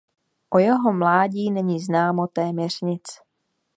O jeho mládí není známo téměř nic.